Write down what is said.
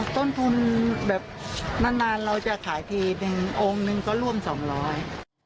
อ๋อต้นทุนแบบนานเราจะขายที๑องค์นึงก็ร่วม๒๐๐บาท